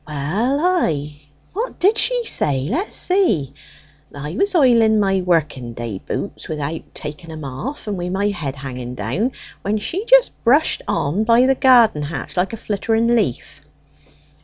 "Well ay: what did she say? Let's see. I was oiling my working day boots without taking 'em off, and wi' my head hanging down, when she just brushed on by the garden hatch like a flittering leaf.